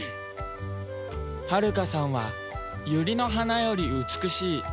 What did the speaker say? はるかさんはユリの花より美しい。